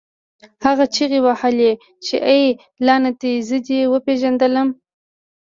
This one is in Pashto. هغه چیغې وهلې چې اې لعنتي زه دې وپېژندلم